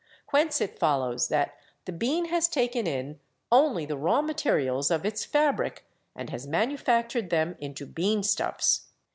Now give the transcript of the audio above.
Whence it follows that the bean has taken in only the raw materials of its fabric and has manufactured them into bean stuffs.